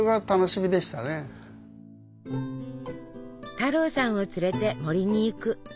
太郎さんを連れて森に行く。